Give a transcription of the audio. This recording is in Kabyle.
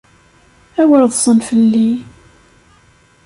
Awer ḍsen fell-i!